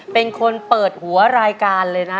เป็นคนเปิดหัวรายการเลยนะ